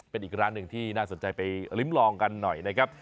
เป็นอีกร้านหนึ่งที่น่าสนใจไปลิ้มลองกันหน่อยนะครับ